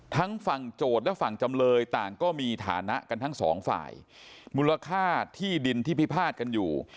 ทั้งฝั่งโจทย์และฝั่งจำเลยต่างก็มีฐานะกันทั้งสองฝ่ายมูลค่าที่ดินที่พิพาทกันอยู่